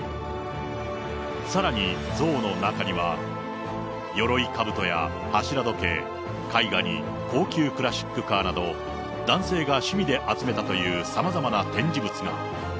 さらに像の中には、よろいかぶとや柱時計、絵画に高級クラシックカーなど、男性が趣味で集めたというさまざまな展示物が。